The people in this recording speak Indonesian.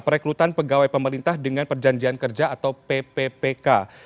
perekrutan pegawai pemerintah dengan perjanjian kerja atau pppk